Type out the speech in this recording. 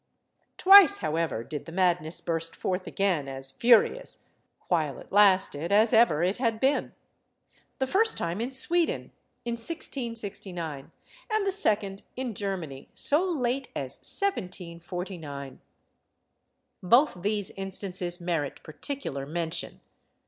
Twice, however, did the madness burst forth again as furious, while it lasted, as ever it had been. The first time in Sweden, in 1669, and the second in Germany so late as 1749. Both these instances merit particular mention.